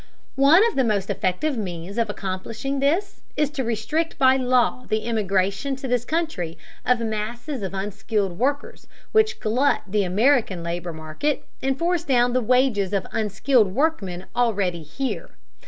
One of the most effective means of accomplishing this is to restrict by law the immigration to this country of masses of unskilled workers which glut the American labor market and force down the wages of unskilled workmen already here.